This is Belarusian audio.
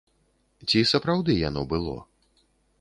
Ці сапраўды яно было?